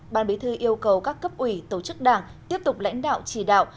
ban bí thư yêu cầu các cấp ủy tổ chức đảng tiếp tục lãnh đạo chỉ đạo